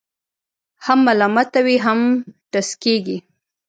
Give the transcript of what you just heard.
هم ملامته وي، هم ټسکېږي.